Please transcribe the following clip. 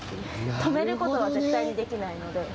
止めることは絶対できないので。